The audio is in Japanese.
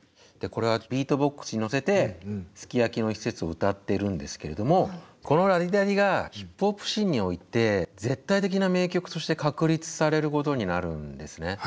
これはビートボックスに乗せて「ＳＵＫＩＹＡＫＩ」の一節を歌ってるんですけれどもこの「ＬａＤｉＤａＤｉ」がヒップホップシーンにおいて絶対的な名曲として確立されることになるんですね。